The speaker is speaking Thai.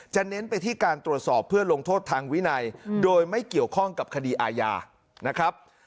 เน้นไปที่การตรวจสอบเพื่อลงโทษทางวินัยโดยไม่เกี่ยวข้องกับคดีอาญานะครับ